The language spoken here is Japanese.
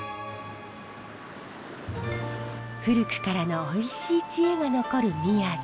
古くからのおいしい知恵が残る宮津。